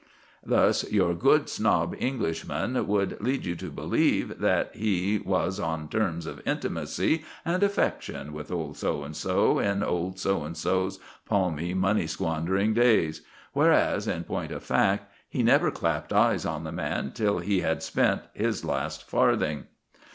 Thus your good snob Englishman would lead you to believe that he was on terms of intimacy and affection with Old So and so in Old So and so's palmy money squandering days. Whereas, in point of fact, he never clapped eyes on the man till he had spent his last farthing.